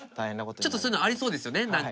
そういうのありそうですよね何か。